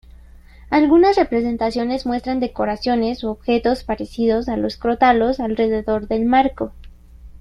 Algunas representaciones muestran decoraciones u objetos parecidos a los crótalos alrededor del marco.